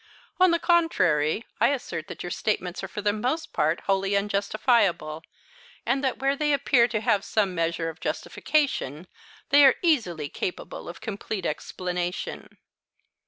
On the contrary, I assert that your statements are for the most part wholly unjustifiable, and that where they appear to have some measure of justification, they are easily capable of complete explanation.